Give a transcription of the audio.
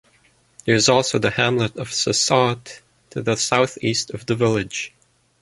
There is also the hamlet of Sussaute to the south-east of the village.